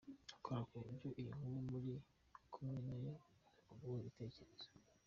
Kora ku buryo iyo nkumi muri kumwe na yo iza kuguha ibitekerezo.